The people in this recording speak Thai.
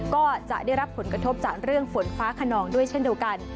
ก็จะได้รับผลกระทบจากเรื่องฝนฟ้าขนองด้วยเช่นเดียวกัน